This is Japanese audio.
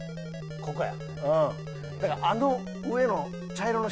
ここや！